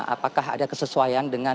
apakah ada kesesuaian dengan